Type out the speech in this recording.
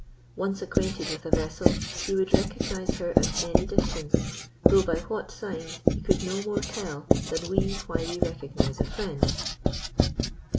Once acquainted with a vessel, he would recognise her at any distance, though by what signs he could no more tell than we why we recognise a friend.